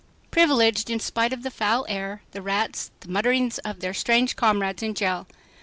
"Privileged" in spite of the foul air, the rats, and the mutterings of their strange comrades in jail!